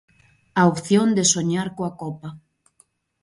A opción de soñar coa Copa.